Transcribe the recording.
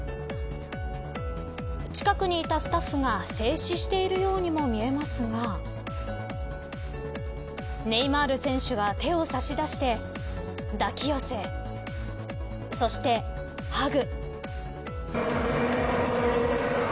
近くにいたスタッフが静止しているようにも見えますがネイマール選手が手を差し出して抱き寄せそして、ハグ。